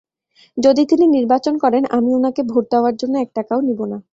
যদি তিনি নির্বাচন করেন, আমি উনাকে ভোট দেওয়ার জন্য এক টাকাও নিব না।